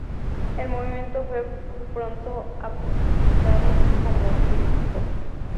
El movimiento fue pronto apodado como Britpop.